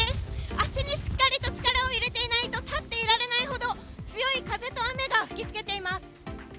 足にしっかり力を入れないと立っていられないほど強い風と雨が吹きつけています。